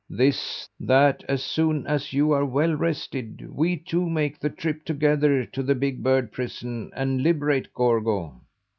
This: that, as soon as you are well rested, we two make the trip together to the big bird prison, and liberate Gorgo."